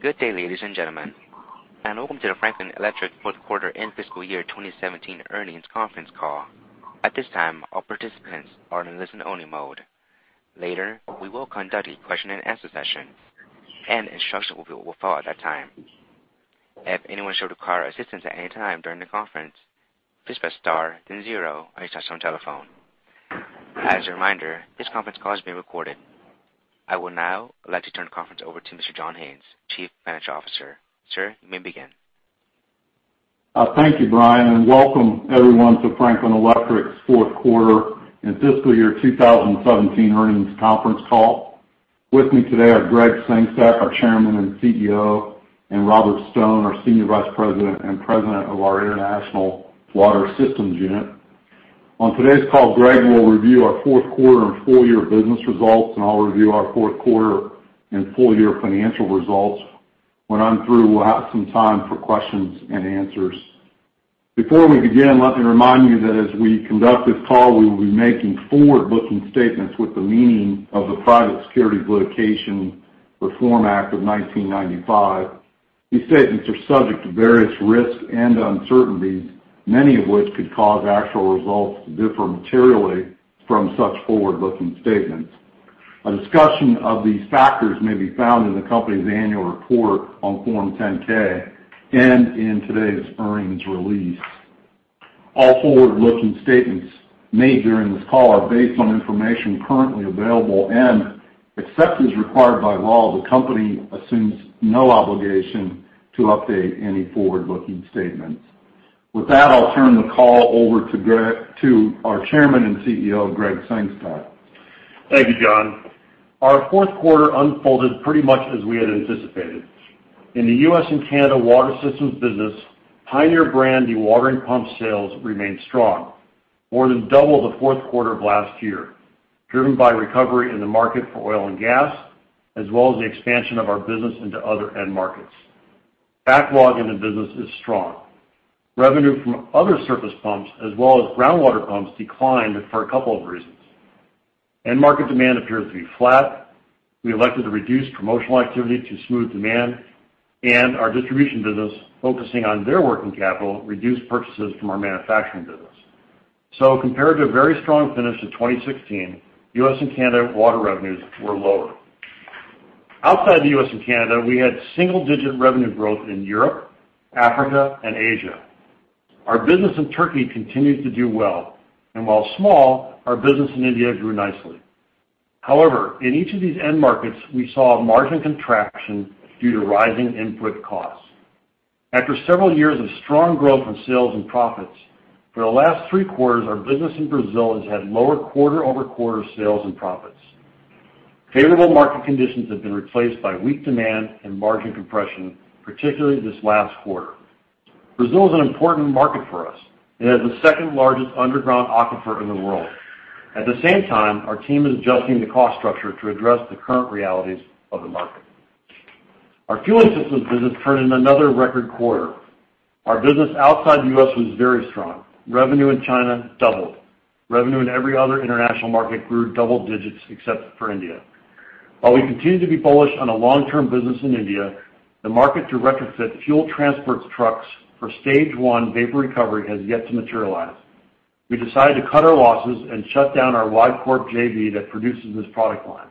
Good day, ladies and gentlemen, and welcome to the Franklin Electric fourth quarter and fiscal year 2017 earnings conference call. At this time, all participants are in listen-only mode. Later, we will conduct a question-and-answer session, and instructions will be followed at that time. If anyone should require assistance at any time during the conference, please press star, then zero, on your touch-tone telephone. As a reminder, this conference call is being recorded. I would now like to turn the conference over to Mr. John Haines, Chief Financial Officer. Sir, you may begin. Thank you, Brian, and welcome everyone to Franklin Electric's fourth quarter and fiscal year 2017 earnings conference call. With me today are Gregg Sengstack, our Chairman and CEO, and Robert Stone, our Senior Vice President and President of our International Water Systems Unit. On today's call, Gregg will review our fourth quarter and full-year business results, and I'll review our fourth quarter and full-year financial results. When I'm through, we'll have some time for questions and answers. Before we begin, let me remind you that as we conduct this call, we will be making forward-looking statements within the meaning of the Private Securities Litigation Reform Act of 1995. These statements are subject to various risks and uncertainties, many of which could cause actual results to differ materially from such forward-looking statements. A discussion of these factors may be found in the company's annual report on Form 10-K and in today's earnings release. All forward-looking statements made during this call are based on information currently available, and except as required by law, the company assumes no obligation to update any forward-looking statements. With that, I'll turn the call over to our Chairman and CEO, Gregg Sengstack. Thank you, John. Our fourth quarter unfolded pretty much as we had anticipated. In the U.S. and Canada water systems business, Pioneer brand dewatering pump sales remained strong, more than double the fourth quarter of last year, driven by recovery in the market for oil and gas, as well as the expansion of our business into other end markets. Backlog in the business is strong. Revenue from other surface pumps, as well as groundwater pumps, declined for a couple of reasons. End market demand appears to be flat. We elected to reduce promotional activity to smooth demand, and our distribution business, focusing on their working capital, reduced purchases from our manufacturing business. Compared to a very strong finish of 2016, U.S. and Canada water revenues were lower. Outside the U.S. and Canada, we had single-digit revenue growth in Europe, Africa, and Asia. Our business in Turkey continues to do well, and while small, our business in India grew nicely. However, in each of these end markets, we saw margin contraction due to rising input costs. After several years of strong growth in sales and profits, for the last three quarters, our business in Brazil has had lower quarter-over-quarter sales and profits. Favorable market conditions have been replaced by weak demand and margin compression, particularly this last quarter. Brazil is an important market for us. It has the second-largest underground aquifer in the world. At the same time, our team is adjusting the cost structure to address the current realities of the market. Our fueling systems business turned in another record quarter. Our business outside the U.S. was very strong. Revenue in China doubled. Revenue in every other international market grew double digits except for India. While we continue to be bullish on a long-term business in India, the market to retrofit fuel transport trucks for stage one vapor recovery has yet to materialize. We decided to cut our losses and shut down our Wadcorpp JV that produces this product line.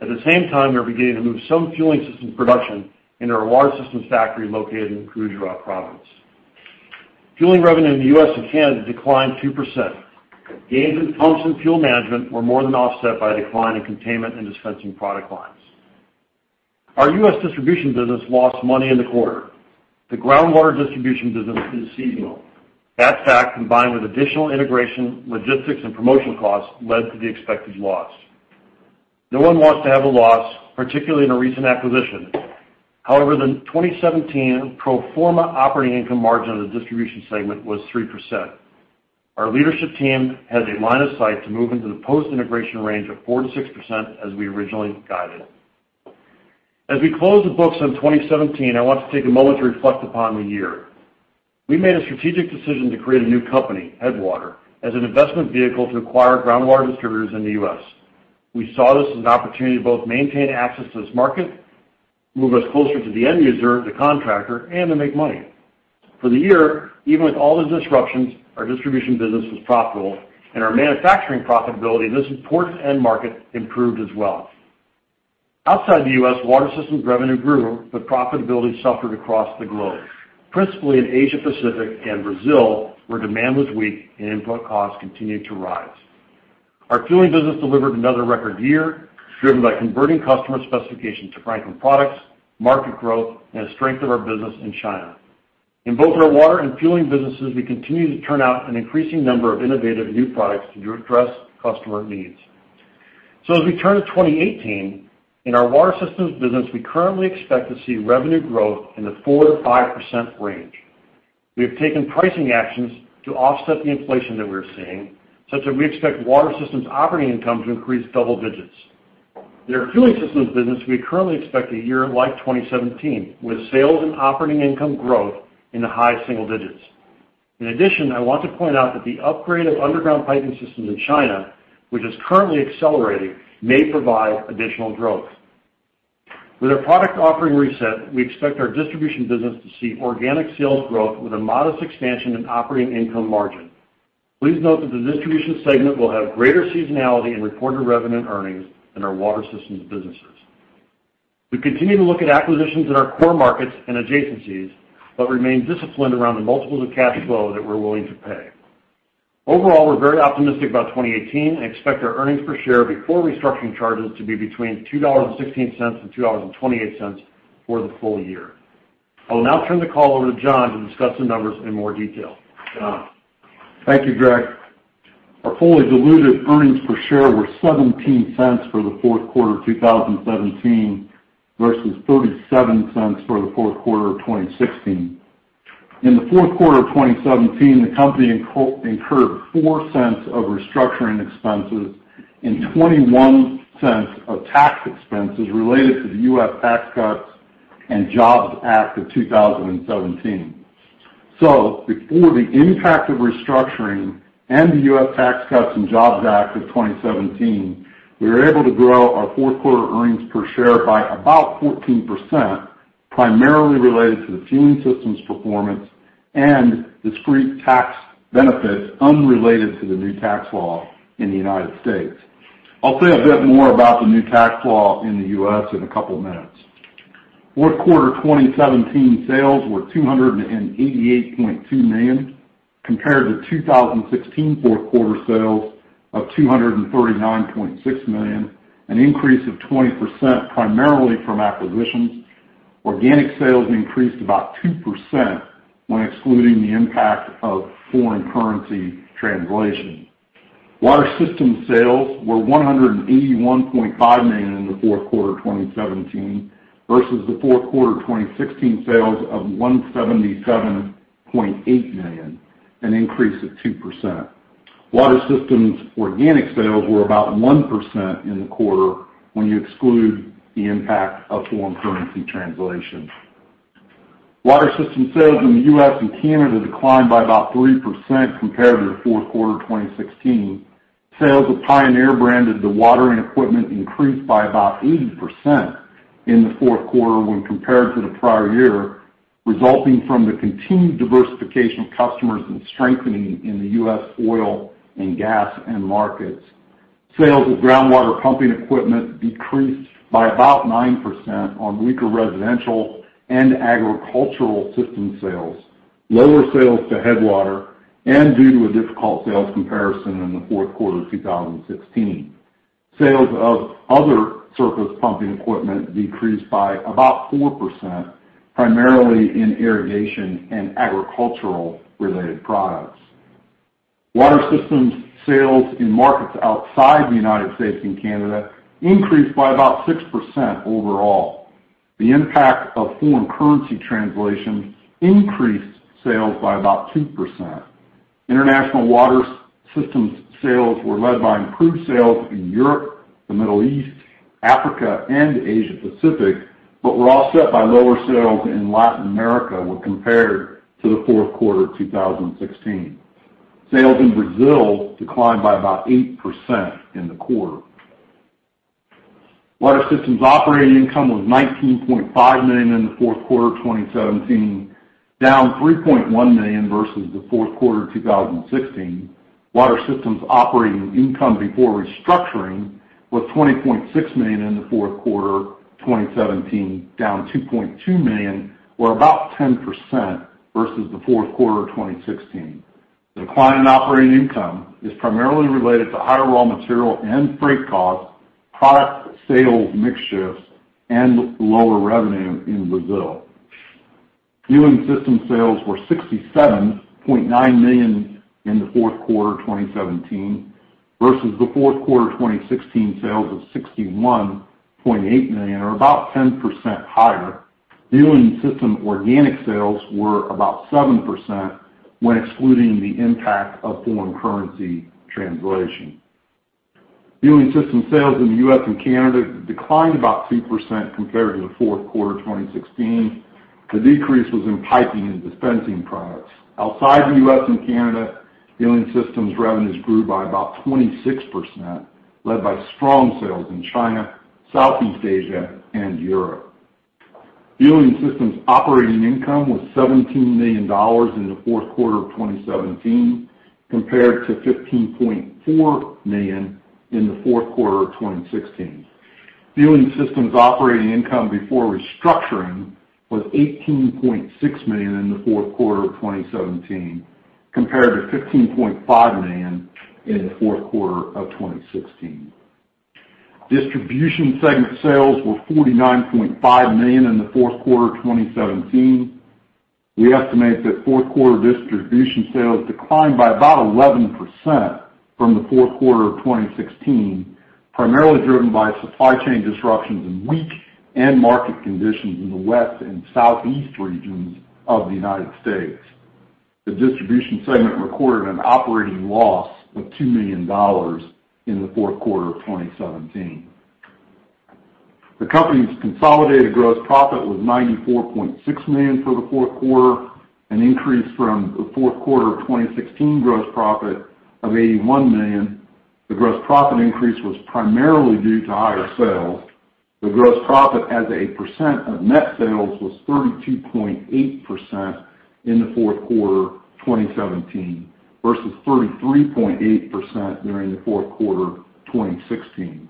At the same time, we are beginning to move some fueling system production into our water systems factory located in Gujarat. Fueling revenue in the U.S. and Canada declined 2%. Gains in pumps and fuel management were more than offset by a decline in containment and dispensing product lines. Our U.S. distribution business lost money in the quarter. The groundwater distribution business is seasonal. That fact, combined with additional integration, logistics, and promotional costs, led to the expected loss. No one wants to have a loss, particularly in a recent acquisition. However, the 2017 pro forma operating income margin of the distribution segment was 3%. Our leadership team has a line of sight to move into the post-integration range of 4%-6% as we originally guided. As we close the books on 2017, I want to take a moment to reflect upon the year. We made a strategic decision to create a new company, Headwater, as an investment vehicle to acquire groundwater distributors in the U.S. We saw this as an opportunity to both maintain access to this market, move us closer to the end user, the contractor, and to make money. For the year, even with all the disruptions, our distribution business was profitable, and our manufacturing profitability in this important end market improved as well. Outside the U.S., water systems revenue grew, but profitability suffered across the globe, principally in Asia-Pacific and Brazil, where demand was weak and input costs continued to rise. Our fueling business delivered another record year, driven by converting customer specifications to Franklin products, market growth, and the strength of our business in China. In both our water and fueling businesses, we continue to turn out an increasing number of innovative new products to address customer needs. So as we turn to 2018, in our water systems business, we currently expect to see revenue growth in the 4%-5% range. We have taken pricing actions to offset the inflation that we are seeing, such as we expect water systems operating income to increase double digits. In our fueling systems business, we currently expect a year like 2017, with sales and operating income growth in the high single digits. In addition, I want to point out that the upgrade of underground piping systems in China, which is currently accelerating, may provide additional growth. With our product offering reset, we expect our distribution business to see organic sales growth with a modest expansion in operating income margin. Please note that the distribution segment will have greater seasonality in reported revenue and earnings than our water systems businesses. We continue to look at acquisitions in our core markets and adjacencies but remain disciplined around the multiples of cash flow that we're willing to pay. Overall, we're very optimistic about 2018 and expect our earnings per share before restructuring charges to be between $2.16-$2.28 for the full year. I will now turn the call over to John to discuss the numbers in more detail. John? Thank you, Gregg. Our fully diluted earnings per share were $0.17 for the fourth quarter of 2017 versus $0.37 for the fourth quarter of 2016. In the fourth quarter of 2017, the company incurred $0.04 of restructuring expenses and $0.21 of tax expenses related to the U.S. Tax Cuts and Jobs Act of 2017. So before the impact of restructuring and the U.S. Tax Cuts and Jobs Act of 2017, we were able to grow our fourth quarter earnings per share by about 14%, primarily related to the fueling systems performance and discrete tax benefits unrelated to the new tax law in the United States. I'll say a bit more about the new tax law in the U.S. in a couple of minutes. Fourth quarter 2017 sales were $288.2 million compared to 2016 fourth quarter sales of $239.6 million, an increase of 20% primarily from acquisitions. Organic sales increased about 2% when excluding the impact of foreign currency translation. Water systems sales were $181.5 million in the fourth quarter 2017 versus the fourth quarter 2016 sales of $177.8 million, an increase of 2%. Water systems organic sales were about 1% in the quarter when you exclude the impact of foreign currency translation. Water systems sales in the U.S. and Canada declined by about 3% compared to the fourth quarter 2016. Sales of Pioneer-branded dewatering equipment increased by about 80% in the fourth quarter when compared to the prior year, resulting from the continued diversification of customers and strengthening in the U.S. oil and gas end markets. Sales of groundwater pumping equipment decreased by about 9% on weaker residential and agricultural system sales, lower sales to Headwater, and due to a difficult sales comparison in the fourth quarter of 2016. Sales of other surface pumping equipment decreased by about 4%, primarily in irrigation and agricultural-related products. Water systems sales in markets outside the United States and Canada increased by about 6% overall. The impact of foreign currency translation increased sales by about 2%. International water systems sales were led by improved sales in Europe, the Middle East, Africa, and Asia-Pacific, but were offset by lower sales in Latin America when compared to the fourth quarter of 2016. Sales in Brazil declined by about 8% in the quarter. Water systems operating income was $19.5 million in the fourth quarter of 2017, down $3.1 million versus the fourth quarter of 2016. Water systems operating income before restructuring was $20.6 million in the fourth quarter of 2017, down $2.2 million, or about 10% versus the fourth quarter of 2016. The decline in operating income is primarily related to higher raw material and freight costs, product sales mix-shifts, and lower revenue in Brazil. Fueling systems sales were $67.9 million in the fourth quarter of 2017 versus the fourth quarter of 2016 sales of $61.8 million, or about 10% higher. Fueling system organic sales were about 7% when excluding the impact of foreign currency translation. Fueling systems sales in the U.S. and Canada declined about 2% compared to the fourth quarter of 2016. The decrease was in piping and dispensing products. Outside the U.S. and Canada, fueling systems revenues grew by about 26%, led by strong sales in China, Southeast Asia, and Europe. Fueling systems operating income was $17 million in the fourth quarter of 2017 compared to $15.4 million in the fourth quarter of 2016. Fueling systems operating income before restructuring was $18.6 million in the fourth quarter of 2017 compared to $15.5 million in the fourth quarter of 2016. Distribution segment sales were $49.5 million in the fourth quarter of 2017. We estimate that fourth quarter distribution sales declined by about 11% from the fourth quarter of 2016, primarily driven by supply chain disruptions and weak end market conditions in the west and southeast regions of the United States. The distribution segment recorded an operating loss of $2 million in the fourth quarter of 2017. The company's consolidated gross profit was $94.6 million for the fourth quarter, an increase from the fourth quarter of 2016 gross profit of $81 million. The gross profit increase was primarily due to higher sales. The gross profit as a percent of net sales was 32.8% in the fourth quarter of 2017 versus 33.8% during the fourth quarter of 2016.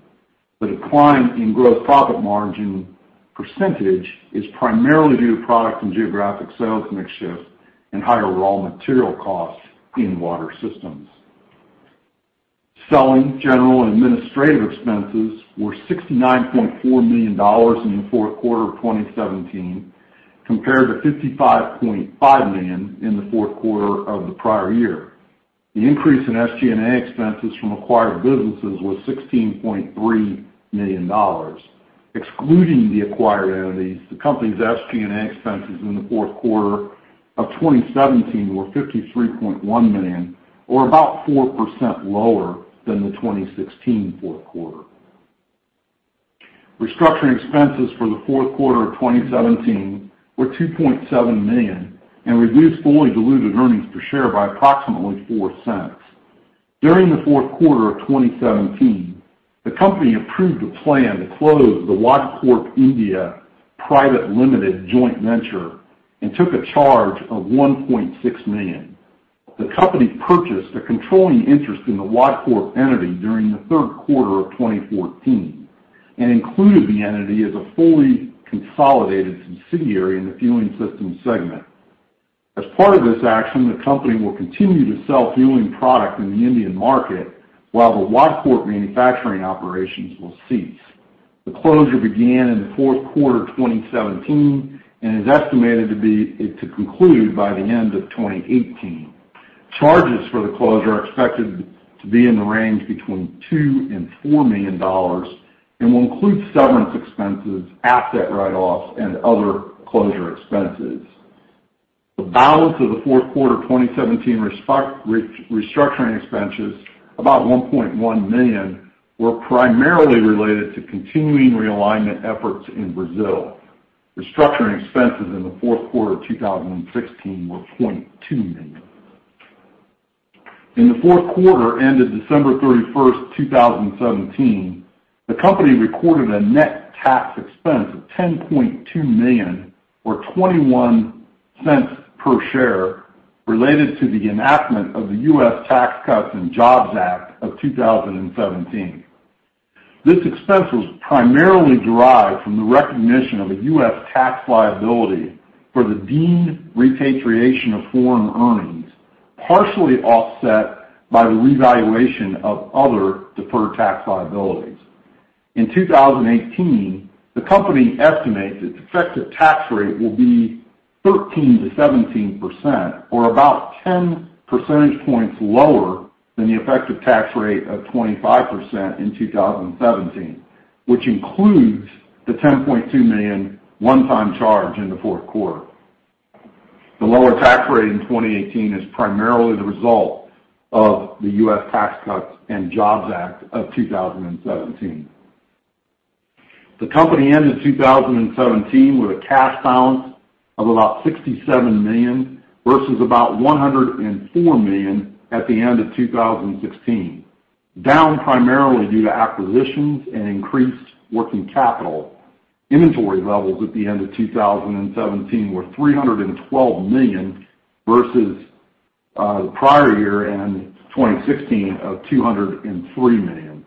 The decline in gross profit margin percentage is primarily due to product and geographic sales mix-shift and higher raw material costs in water systems. Selling general and administrative expenses were $69.4 million in the fourth quarter of 2017 compared to $55.5 million in the fourth quarter of the prior year. The increase in SG&A expenses from acquired businesses was $16.3 million. Excluding the acquired entities, the company's SG&A expenses in the fourth quarter of 2017 were $53.1 million, or about 4% lower than the 2016 fourth quarter. Restructuring expenses for the fourth quarter of 2017 were $2.7 million and reduced fully diluted earnings per share by approximately $0.04. During the fourth quarter of 2017, the company approved a plan to close the Wadcorpp India Private Limited joint venture and took a charge of $1.6 million. The company purchased a controlling interest in the Wadcorpp entity during the third quarter of 2014 and included the entity as a fully consolidated subsidiary in the fueling systems segment. As part of this action, the company will continue to sell fueling product in the Indian market while the Wadcorpp manufacturing operations will cease. The closure began in the fourth quarter of 2017 and is estimated to conclude by the end of 2018. Charges for the closure are expected to be in the range between $2 million and $4 million and will include severance expenses, asset write-offs, and other closure expenses. The balance of the fourth quarter 2017 restructuring expenses, about $1.1 million, were primarily related to continuing realignment efforts in Brazil. Restructuring expenses in the fourth quarter of 2016 were $0.2 million. In the fourth quarter ended December 31st, 2017, the company recorded a net tax expense of $10.2 million or $0.21 per share related to the enactment of the U.S. Tax Cuts and Jobs Act of 2017. This expense was primarily derived from the recognition of a U.S. tax liability for the deemed repatriation of foreign earnings, partially offset by the revaluation of other deferred tax liabilities. In 2018, the company estimates its effective tax rate will be 13%-17%, or about 10 percentage points lower than the effective tax rate of 25% in 2017, which includes the $10.2 million one-time charge in the fourth quarter. The lower tax rate in 2018 is primarily the result of the U.S. Tax Cuts and Jobs Act of 2017. The company ended 2017 with a cash balance of about $67 million versus about $104 million at the end of 2016, down primarily due to acquisitions and increased working capital. Inventory levels at the end of 2017 were $312 million versus the prior year in 2016 of $203 million.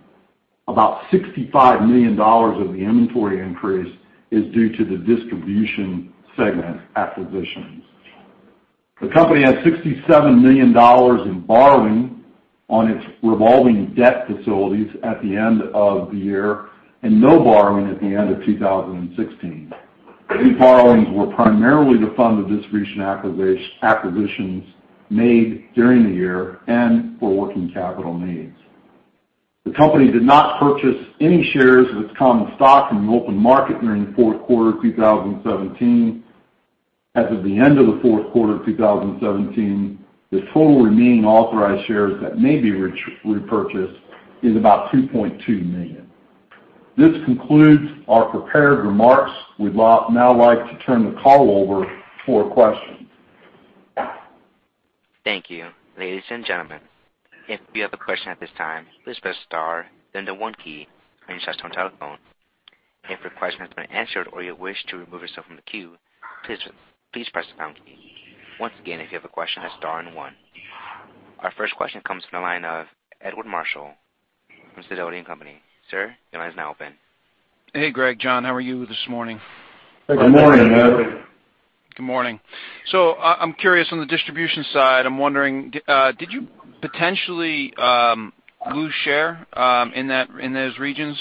About $65 million of the inventory increase is due to the distribution segment acquisitions. The company had $67 million in borrowing on its revolving debt facilities at the end of the year and no borrowing at the end of 2016. These borrowings were primarily to fund the distribution acquisitions made during the year and for working capital needs. The company did not purchase any shares of its common stock in the open market during fourth quarter of 2017. As of the end of the fourth quarter of 2017, the total remaining authorized shares that may be repurchased is about 2.2 million. This concludes our prepared remarks. We'd now like to turn the call over for questions. Thank you. Ladies and gentlemen, if you have a question at this time, please press star, then the one key on your touch-tone telephone. If your question has been answered or you wish to remove yourself from the queue, please press the pound key. Once again, if you have a question, press star and one. Our first question comes from the line of Edward Marshall from Sidoti & Company. Sir, your line is now open. Hey, Gregg. John, how are you this morning? Hey, good morning, Ed. Good morning. I'm curious on the distribution side. I'm wondering, did you potentially lose share in those regions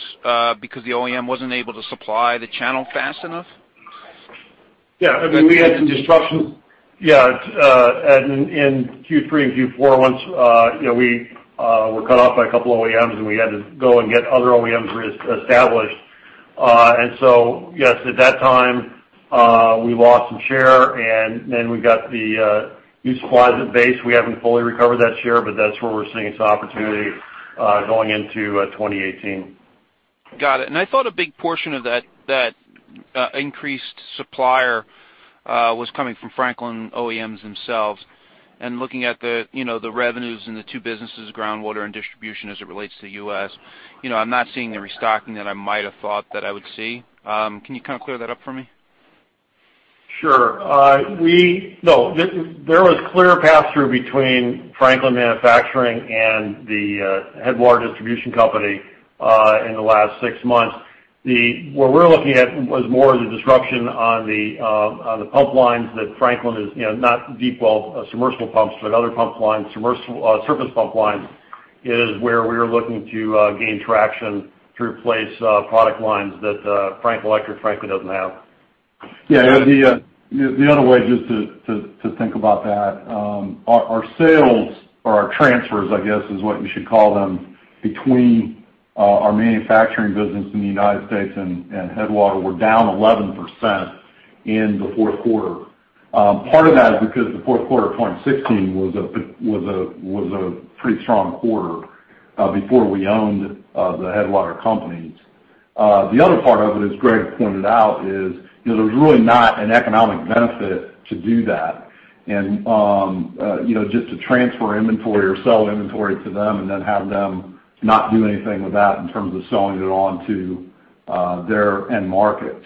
because the OEM wasn't able to supply the channel fast enough? Yeah. I mean, we had some disruptions. Yeah. Ed, in Q3 and Q4, once we were cut off by a couple of OEMs, and we had to go and get other OEMs reestablished. And so, yes, at that time, we lost some share, and then we got the new supplies at best. We haven't fully recovered that share, but that's where we're seeing some opportunity going into 2018. Got it. And I thought a big portion of that increased supplier was coming from Franklin OEMs themselves. And looking at the revenues in the two businesses, groundwater and distribution, as it relates to the U.S., I'm not seeing the restocking that I might have thought that I would see. Can you kind of clear that up for me? Sure. No, there was clear pass-through between Franklin Manufacturing and the Headwater Distribution Company in the last six months. What we're looking at was more of the disruption on the pump lines that Franklin is not deep well submersible pumps, but other pump lines, surface pump lines, is where we were looking to gain traction to replace product lines that Franklin Electric frankly doesn't have. Yeah. The other way just to think about that, our sales, or our transfers, I guess, is what you should call them, between our manufacturing business in the United States and Headwater were down 11% in the fourth quarter. Part of that is because the fourth quarter of 2016 was a pretty strong quarter before we owned the Headwater companies. The other part of it, as Gregg pointed out, is there was really not an economic benefit to do that and just to transfer inventory or sell inventory to them and then have them not do anything with that in terms of selling it on to their end markets.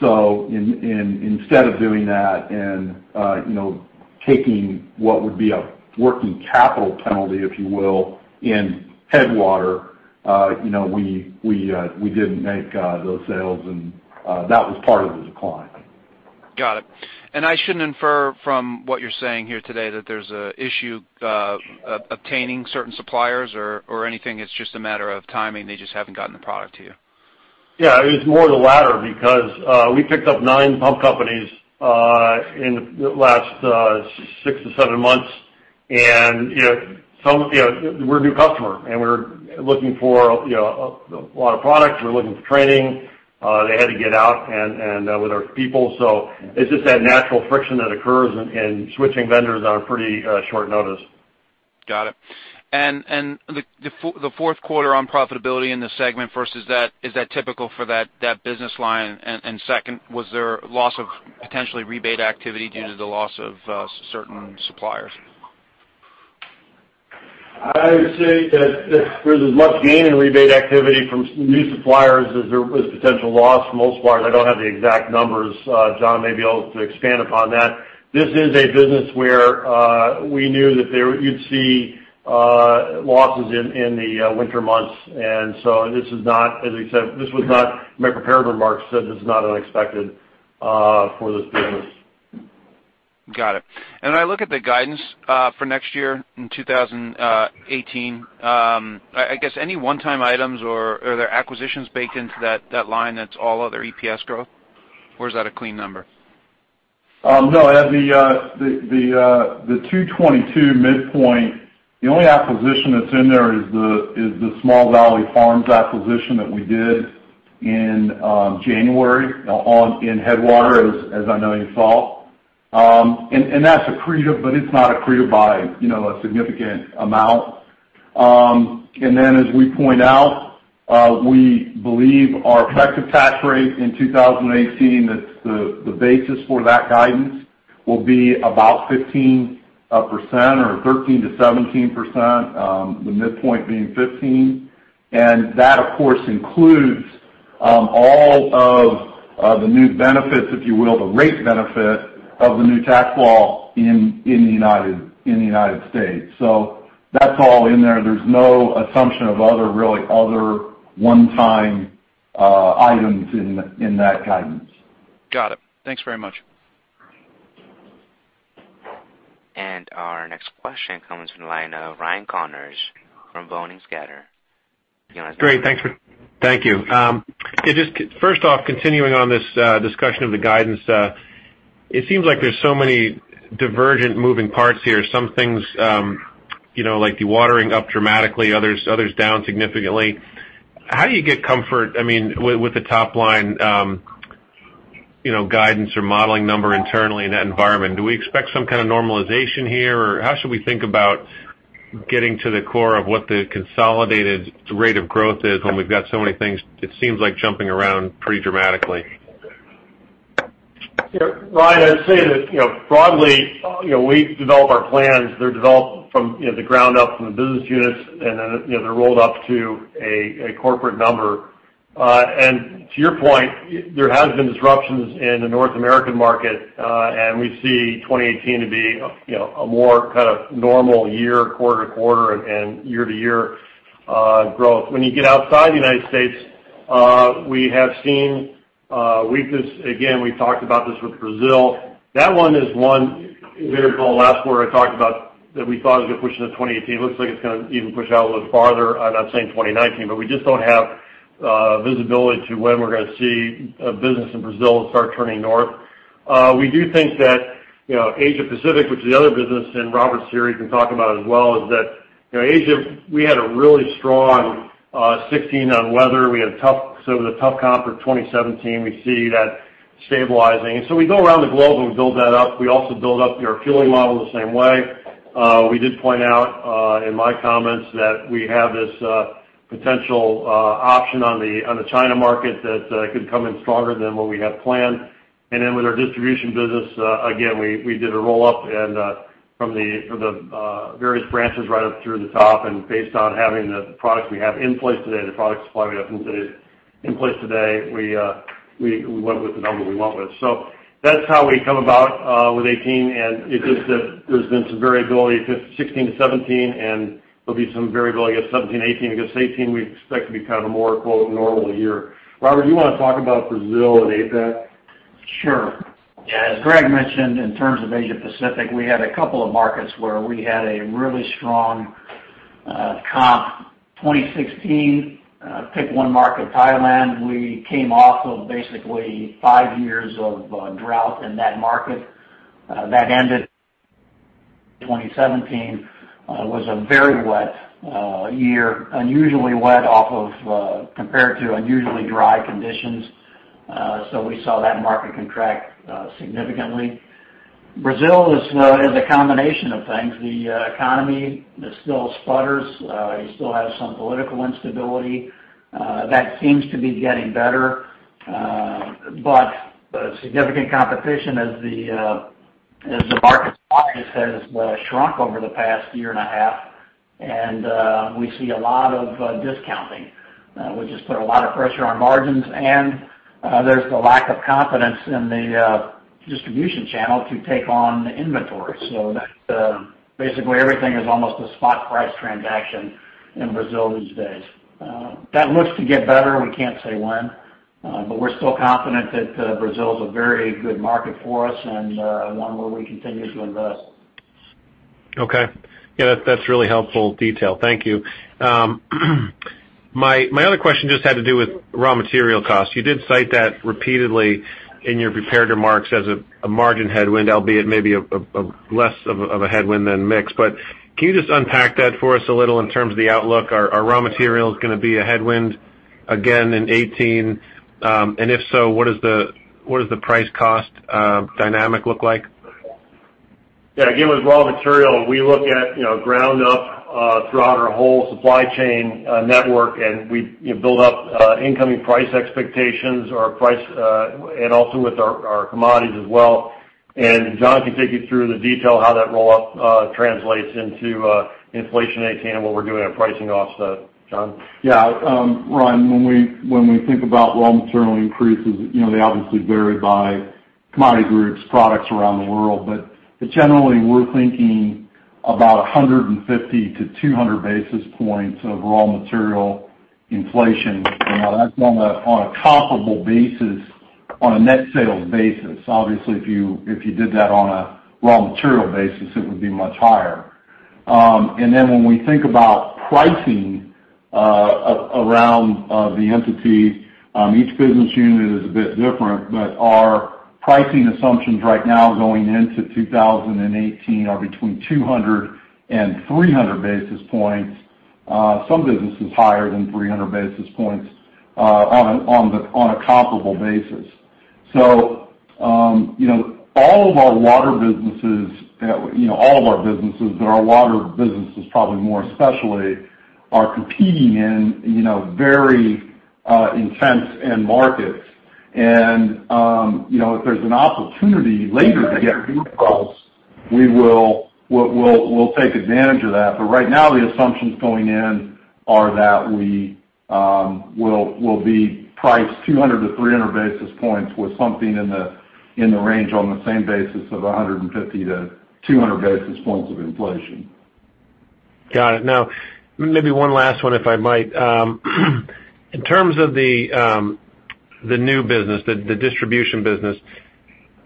So instead of doing that and taking what would be a working capital penalty, if you will, in Headwater, we didn't make those sales, and that was part of the decline. Got it. And I shouldn't infer from what you're saying here today that there's an issue obtaining certain suppliers or anything. It's just a matter of timing. They just haven't gotten the product to you. Yeah. It was more the latter because we picked up nine pump companies in the last 6-7 months, and we're a new customer, and we're looking for a lot of products. We're looking for training. They had to get out with our people. So it's just that natural friction that occurs in switching vendors on pretty short notice. Got it. And the fourth quarter unprofitability in the segment, first, is that typical for that business line? And second, was there loss of potentially rebate activity due to the loss of certain suppliers? I would say that there's as much gain in rebate activity from new suppliers as there was potential loss from old suppliers. I don't have the exact numbers. John may be able to expand upon that. This is a business where we knew that you'd see losses in the winter months. And so this is not, as I said, this was not my prepared remarks. This is not unexpected for this business. Got it. When I look at the guidance for next year in 2018, I guess any one-time items or are there acquisitions baked into that line that's all other EPS growth? Or is that a clean number? No. The 222 midpoint, the only acquisition that's in there is the Valley Farms acquisition that we did in January in Headwater, as I know you saw. And that's accretive, but it's not accretive by a significant amount. And then, as we point out, we believe our effective tax rate in 2018 that's the basis for that guidance will be about 15% or 13%-17%, the midpoint being 15%. And that, of course, includes all of the new benefits, if you will, the rate benefit of the new tax law in the United States. So that's all in there. There's no assumption of really other one-time items in that guidance. Got it. Thanks very much. Our next question comes from the line of Ryan Connors from Boenning & Scattergood. You want to start? Great. Thank you. Yeah, just first off, continuing on this discussion of the guidance, it seems like there's so many divergent moving parts here. Some things, like the water systems, up dramatically. Others down significantly. How do you get comfort, I mean, with the top-line guidance or modeling number internally in that environment? Do we expect some kind of normalization here, or how should we think about getting to the core of what the consolidated rate of growth is when we've got so many things? It seems like jumping around pretty dramatically. Yeah. Ryan, I'd say that broadly, we develop our plans. They're developed from the ground up from the business units, and then they're rolled up to a corporate number. And to your point, there have been disruptions in the North American market, and we see 2018 to be a more kind of normal year, quarter to quarter, and year-to-year growth. When you get outside the United States, we have seen weakness. Again, we've talked about this with Brazil. That one is what it's called the last quarter I talked about that we thought was going to push into 2018. Looks like it's going to even push out a little farther. I'm not saying 2019, but we just don't have visibility to when we're going to see a business in Brazil start turning north. We do think that Asia-Pacific, which is the other business, and Robert Stone can talk about it as well, is that Asia, we had a really strong 2016 on weather. We had some of the tough comp for 2017. We see that stabilizing. So we go around the globe, and we build that up. We also build up our fueling model the same way. We did point out in my comments that we have this potential option on the China market that could come in stronger than what we had planned. And then with our distribution business, again, we did a roll-up from the various branches right up through the top. And based on having the products we have in place today, the product supply we have in place today, we went with the number we want with. So that's how we come about with 2018. It's just that there's been some variability 2016 to 2017, and there'll be some variability 2017, 2018. Because 2018, we expect to be kind of a more "normal" year. Robert, do you want to talk about Brazil and APAC? Sure. Yeah. As Gregg mentioned, in terms of Asia-Pacific, we had a couple of markets where we had a really strong comp. 2016, pick one market, Thailand. We came off of basically 5 years of drought in that market. That ended in 2017. It was a very wet year, unusually wet compared to unusually dry conditions. So we saw that market contract significantly. Brazil is a combination of things. The economy still sputters. You still have some political instability. That seems to be getting better. But significant competition as the market size has shrunk over the past year and a half, and we see a lot of discounting, which has put a lot of pressure on margins. And there's the lack of confidence in the distribution channel to take on inventory. So basically, everything is almost a spot price transaction in Brazil these days. That looks to get better. We can't say when, but we're still confident that Brazil's a very good market for us and one where we continue to invest. Okay. Yeah, that's really helpful detail. Thank you. My other question just had to do with raw material costs. You did cite that repeatedly in your prepared remarks as a margin headwind, albeit maybe less of a headwind than mix. But can you just unpack that for us a little in terms of the outlook? Are raw materials going to be a headwind again in 2018? And if so, what does the price-cost dynamic look like? Yeah. Again, with raw material, we look at ground up throughout our whole supply chain network, and we build up incoming price expectations and also with our commodities as well. And John can take you through the detail how that roll-up translates into inflation 2018 and what we're doing at pricing costs, John. Yeah. Ryan, when we think about raw material increases, they obviously vary by commodity groups, products around the world. But generally, we're thinking about 150-200 basis points of raw material inflation. And that's on a comparable basis, on a net sales basis. Obviously, if you did that on a raw material basis, it would be much higher. And then when we think about pricing around the entity, each business unit is a bit different, but our pricing assumptions right now going into 2018 are between 200-300 basis points. Some businesses higher than 300 basis points on a comparable basis. So all of our water businesses all of our businesses, but our water businesses probably more especially, are competing in very intense end markets. And if there's an opportunity later to get a deep price, we'll take advantage of that. Right now, the assumptions going in are that we will be priced 200-300 basis points with something in the range on the same basis of 150-200 basis points of inflation. Got it. Now, maybe one last one, if I might. In terms of the new business, the distribution business,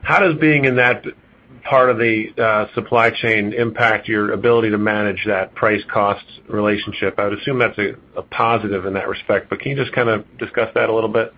how does being in that part of the supply chain impact your ability to manage that price-cost relationship? I would assume that's a positive in that respect, but can you just kind of discuss that a little bit?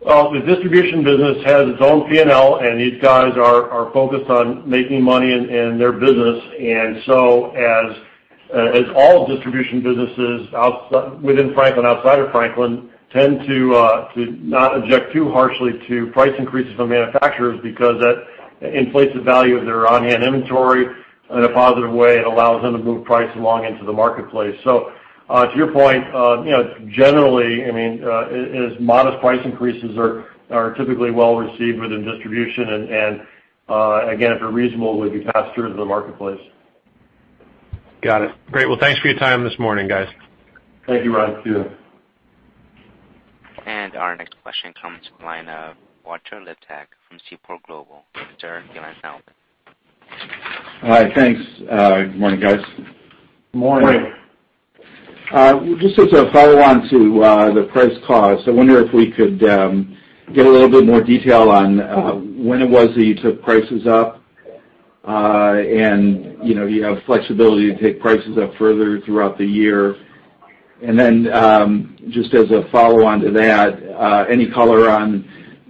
Well, the distribution business has its own P&L, and these guys are focused on making money in their business. And so as all distribution businesses within Franklin, outside of Franklin, tend to not object too harshly to price increases from manufacturers because that inflates the value of their on-hand inventory in a positive way. It allows them to move price along into the marketplace. So to your point, generally, I mean, modest price increases are typically well received within distribution. And again, if they're reasonable, it would be passed through to the marketplace. Got it. Great. Well, thanks for your time this morning, guys. Thank you, Ryan. You too. And our next question comes from the line of Walter Liptak from Seaport Global. Sir, you're live now. Hi. Thanks. Good morning, guys. Morning. Morning. Just as a follow-on to the price cost, I wonder if we could get a little bit more detail on when it was that you took prices up. And you have flexibility to take prices up further throughout the year. And then just as a follow-on to that, any color on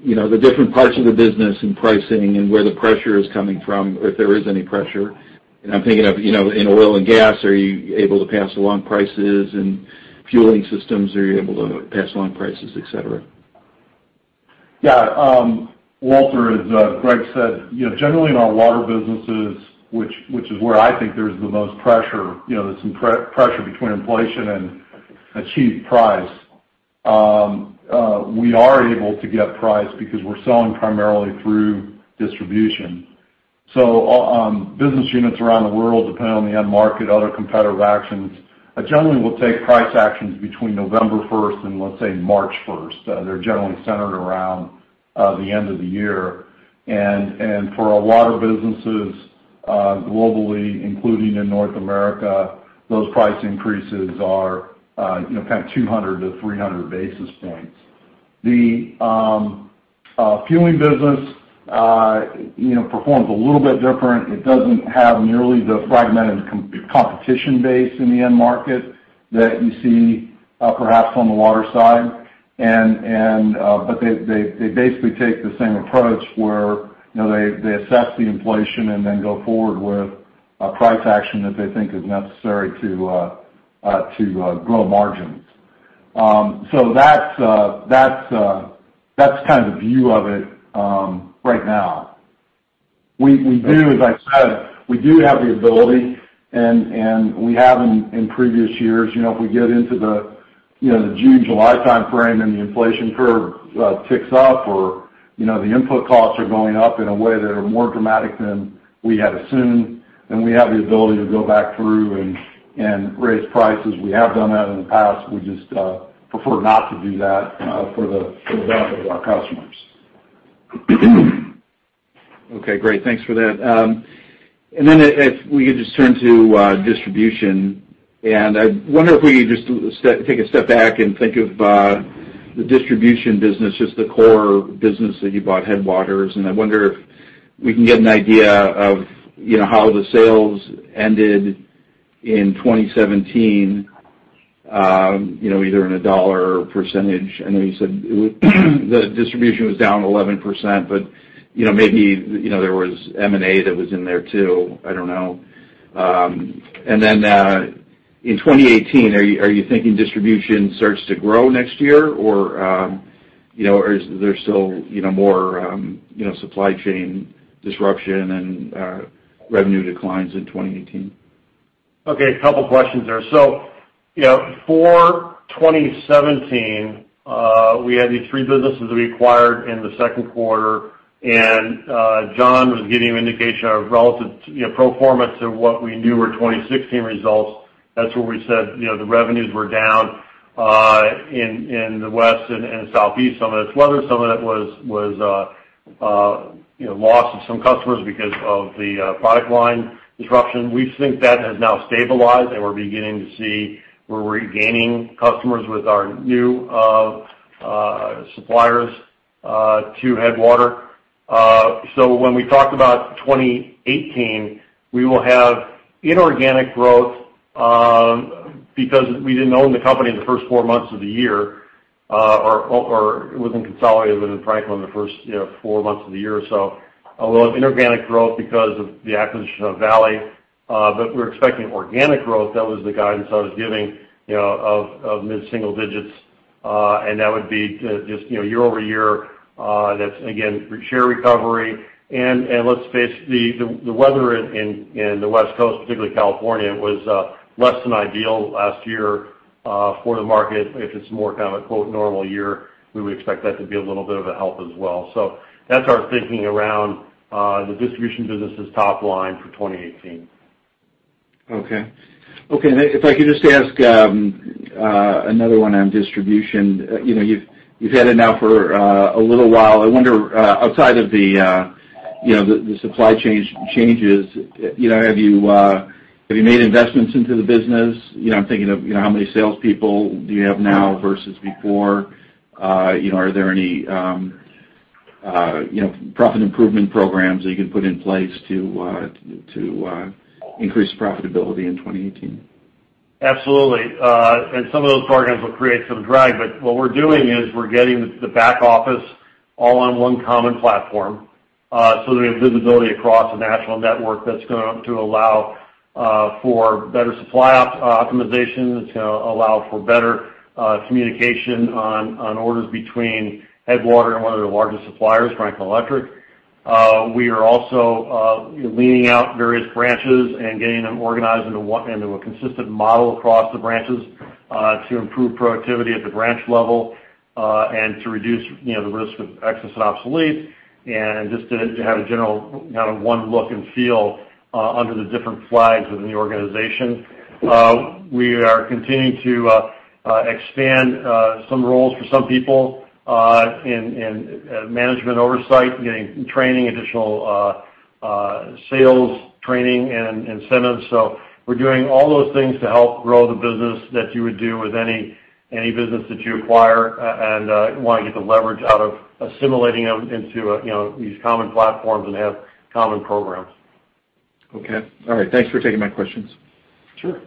the different parts of the business in pricing and where the pressure is coming from, if there is any pressure? And I'm thinking of in oil and gas, are you able to pass along prices? And fueling systems, are you able to pass along prices, etc.? Yeah. Walter, as Gregg said, generally, in our water businesses, which is where I think there's the most pressure, there's some pressure between inflation and achieved price, we are able to get price because we're selling primarily through distribution. So business units around the world, depending on the end market, other competitive actions, generally, will take price actions between November 1st and, let's say, March 1st. They're generally centered around the end of the year. And for a lot of businesses globally, including in North America, those price increases are kind of 200-300 basis points. The fueling business performs a little bit different. It doesn't have nearly the fragmented competition base in the end market that you see perhaps on the water side. But they basically take the same approach where they assess the inflation and then go forward with a price action that they think is necessary to grow margins. So that's kind of the view of it right now. As I said, we do have the ability, and we have in previous years. If we get into the June, July timeframe and the inflation curve ticks up or the input costs are going up in a way that are more dramatic than we had assumed, then we have the ability to go back through and raise prices. We have done that in the past. We just prefer not to do that for the benefit of our customers. Okay. Great. Thanks for that. And then if we could just turn to distribution. And I wonder if we could just take a step back and think of the distribution business, just the core business that you bought Headwater. And I wonder if we can get an idea of how the sales ended in 2017, either in a dollar or percentage. I know you said the distribution was down 11%, but maybe there was M&A that was in there too. I don't know. And then in 2018, are you thinking distribution starts to grow next year, or is there still more supply chain disruption and revenue declines in 2018? Okay. A couple of questions there. So for 2017, we had these three businesses that we acquired in the second quarter. John was giving you an indication of relative pro forma to what we knew were 2016 results. That's where we said the revenues were down in the west and southeast, some of it's weather, some of it was loss of some customers because of the product line disruption. We think that has now stabilized, and we're beginning to see where we're gaining customers with our new suppliers to Headwater. So when we talked about 2018, we will have inorganic growth because we didn't own the company in the first four months of the year, or it wasn't consolidated within Franklin in the first four months of the year or so. We'll have inorganic growth because of the acquisition of Valley. But we're expecting organic growth. That was the guidance I was giving of mid-single digits. That would be just year-over-year. That's, again, share recovery. Let's face it, the weather in the West Coast, particularly California, was less than ideal last year for the market. If it's more kind of a "normal year," we would expect that to be a little bit of a help as well. That's our thinking around the distribution business's top line for 2018. Okay. Okay. If I could just ask another one on distribution. You've had it now for a little while. I wonder, outside of the supply chain changes, have you made investments into the business? I'm thinking of how many salespeople do you have now versus before? Are there any profit improvement programs that you can put in place to increase profitability in 2018? Absolutely. And some of those programs will create some drag. But what we're doing is we're getting the back office all on one common platform so that we have visibility across a national network that's going to allow for better supply optimization. It's going to allow for better communication on orders between Headwater and one of their largest suppliers, Franklin Electric. We are also leaning out various branches and getting them organized into a consistent model across the branches to improve productivity at the branch level and to reduce the risk of excess and obsolete, and just to have a general kind of one look and feel under the different flags within the organization. We are continuing to expand some roles for some people in management oversight, getting training, additional sales training, and incentives. We're doing all those things to help grow the business that you would do with any business that you acquire and want to get the leverage out of assimilating them into these common platforms and have common programs. Okay. All right. Thanks for taking my questions. Sure.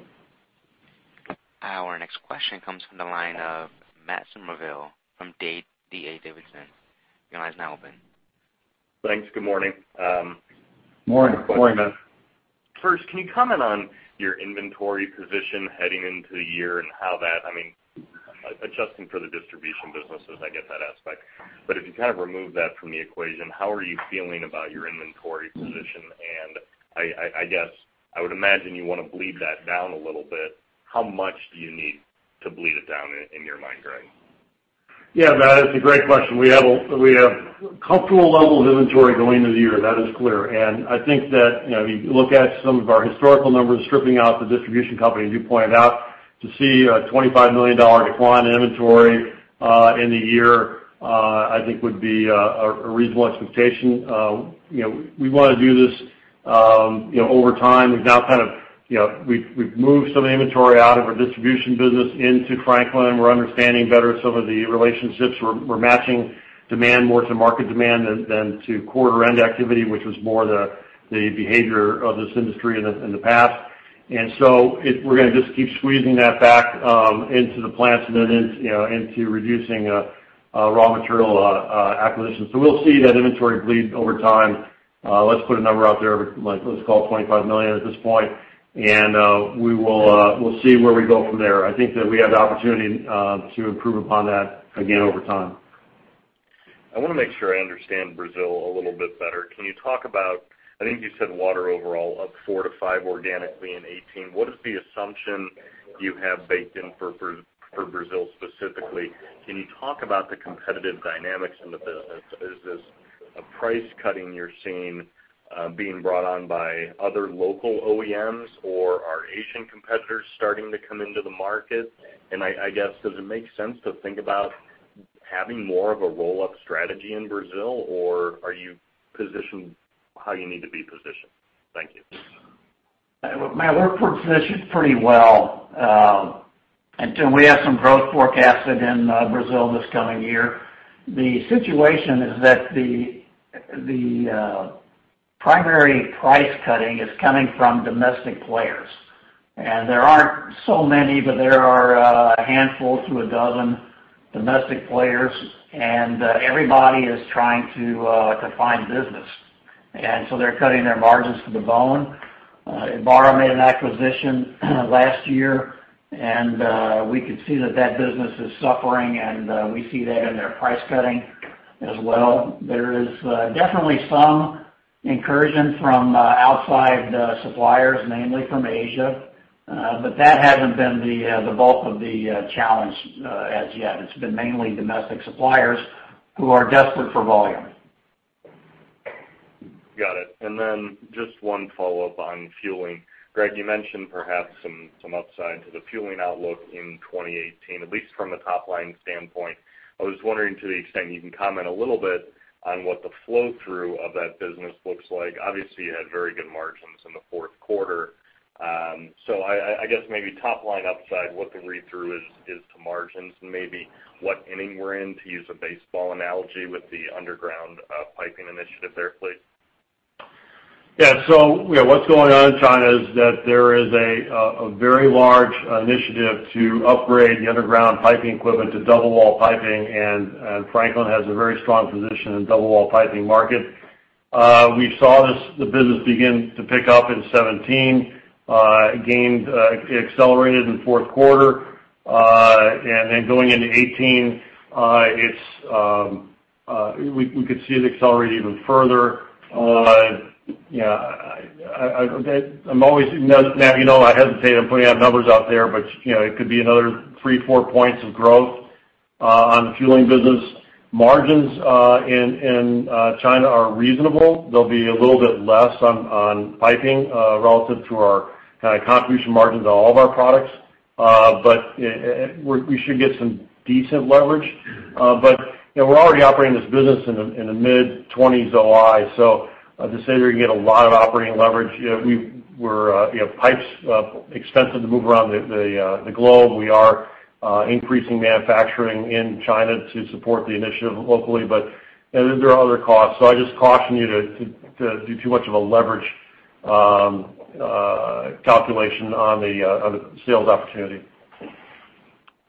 Our next question comes from the line of Matt Summerville from D.A. Davidson. Your line's now open. Thanks. Good morning. Morning. Morning, Matt. First, can you comment on your inventory position heading into the year and how that—I mean, adjusting for the distribution businesses, I get that aspect. But if you kind of remove that from the equation, how are you feeling about your inventory position? And I guess I would imagine you want to bleed that down a little bit. How much do you need to bleed it down in your mind, Gregg? Yeah. That is a great question. We have comfortable levels of inventory going into the year. That is clear. And I think that if you look at some of our historical numbers stripping out the distribution company, as you pointed out, to see a $25 million decline in inventory in the year, I think, would be a reasonable expectation. We want to do this over time. We've now kind of moved some inventory out of our distribution business into Franklin. We're understanding better some of the relationships. We're matching demand more to market demand than to quarter-end activity, which was more the behavior of this industry in the past. And so we're going to just keep squeezing that back into the plants and then into reducing raw material acquisitions. So we'll see that inventory bleed over time. Let's put a number out there. Let's call it $25 million at this point. We'll see where we go from there. I think that we have the opportunity to improve upon that, again, over time. I want to make sure I understand Brazil a little bit better. Can you talk about, I think you said, water overall up 4-5 organically in 2018. What is the assumption you have baked in for Brazil specifically? Can you talk about the competitive dynamics in the business? Is this a price cutting you're seeing being brought on by other local OEMs, or are Asian competitors starting to come into the market? And I guess, does it make sense to think about having more of a roll-up strategy in Brazil, or are you positioned how you need to be positioned? Thank you. My workforce is positioned pretty well. We have some growth forecasted in Brazil this coming year. The situation is that the primary price cutting is coming from domestic players. There aren't so many, but there are a handful to a dozen domestic players. Everybody is trying to find business. So they're cutting their margins to the bone. Ebara made an acquisition last year, and we could see that that business is suffering. We see that in their price cutting as well. There is definitely some incursion from outside suppliers, namely from Asia. But that hasn't been the bulk of the challenge as yet. It's been mainly domestic suppliers who are desperate for volume. Got it. And then just one follow-up on fueling. Gregg, you mentioned perhaps some upside to the fueling outlook in 2018, at least from a top-line standpoint. I was wondering, to the extent you can comment a little bit on what the flow-through of that business looks like. Obviously, you had very good margins in the fourth quarter. So I guess maybe top-line upside, what the read-through is to margins and maybe what inning we're in, to use a baseball analogy, with the underground piping initiative there, please. Yeah. So what's going on in China is that there is a very large initiative to upgrade the underground piping equipment to double-wall piping. Franklin has a very strong position in the double-wall piping market. We saw the business begin to pick up in 2017, accelerated in the fourth quarter. Then going into 2018, we could see it accelerate even further. Yeah. I'm always now, I hesitate. I'm putting out numbers out there, but it could be another 3-4 points of growth on the fueling business. Margins in China are reasonable. They'll be a little bit less on piping relative to our kind of contribution margins on all of our products. But we should get some decent leverage. But we're already operating this business in the mid-20s OI. So, to say that we can get a lot of operating leverage, our pipes are expensive to move around the globe. We are increasing manufacturing in China to support the business locally. But there are other costs. So I just caution you not to do too much of a leverage calculation on the sales opportunity.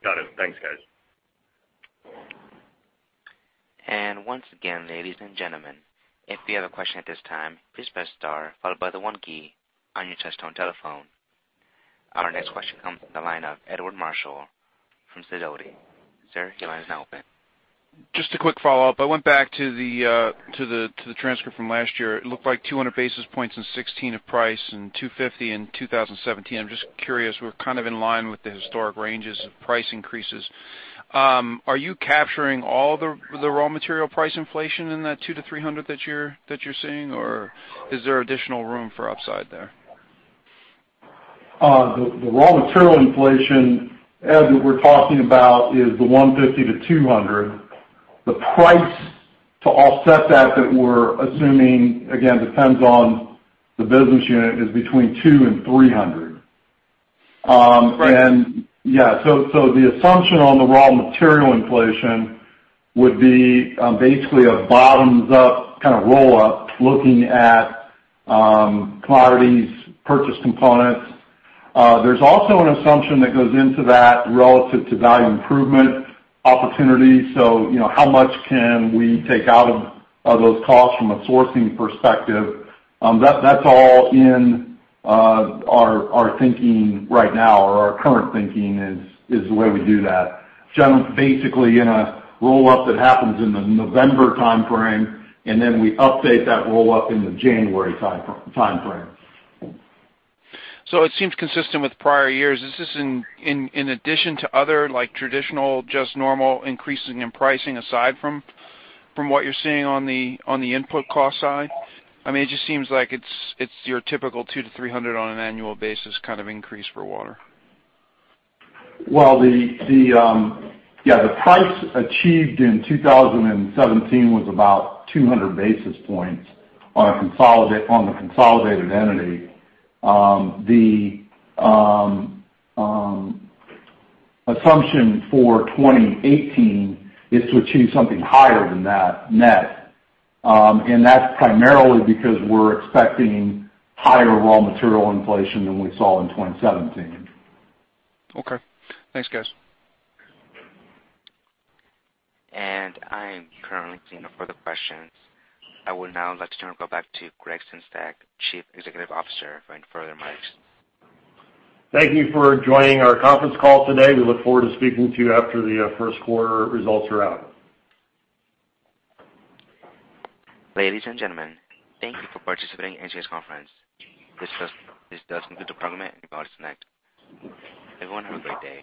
Got it. Thanks, guys. Once again, ladies and gentlemen, if you have a question at this time, please press star followed by the one key on your touch-tone telephone. Our next question comes from the line of Edward Marshall from Sidoti & Company. Sir, your line's now open. Just a quick follow-up. I went back to the transcript from last year. It looked like 200 basis points in 2016 of price and 250 in 2017. I'm just curious. We're kind of in line with the historic ranges of price increases. Are you capturing all the raw material price inflation in that 200-300 that you're seeing, or is there additional room for upside there? The raw material inflation, as we're talking about, is the 150-200. The price to offset that that we're assuming, again, depends on the business unit, is between 200-300. Yeah. So the assumption on the raw material inflation would be basically a bottoms-up kind of roll-up looking at commodities, purchased components. There's also an assumption that goes into that relative to value improvement opportunity. So how much can we take out of those costs from a sourcing perspective? That's all in our thinking right now, or our current thinking is the way we do that. Basically, in a roll-up that happens in the November timeframe, and then we update that roll-up in the January timeframe. So it seems consistent with prior years. Is this in addition to other traditional, just normal increases in pricing aside from what you're seeing on the input cost side? I mean, it just seems like it's your typical 200-300 on an annual basis kind of increase for water. Well, yeah. The price achieved in 2017 was about 200 basis points on the consolidated entity. The assumption for 2018 is to achieve something higher than that net. And that's primarily because we're expecting higher raw material inflation than we saw in 2017. Okay. Thanks, guys. I'm currently seeing no further questions. I would now like to turn it back to Gregg Sengstack, Chief Executive Officer, for any further matters. Thank you for joining our conference call today. We look forward to speaking to you after the first quarter results are out. Ladies and gentlemen, thank you for participating in today's conference. This does conclude the program, and you've all disconnected. Everyone, have a great day.